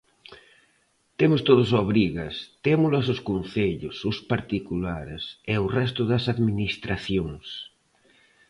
Temos todos obrigas, témolas os concellos, os particulares e o resto das administracións.